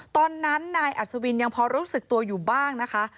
ตอนนั้นนายอัศวินยังพอรู้สึกตัวอยู่บ้างนะคะ